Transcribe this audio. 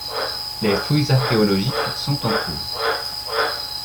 Les fouilles archéologiques sont en cours.